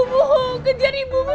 cepat kejar ibu ibu